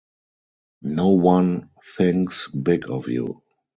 No one thinks big of you.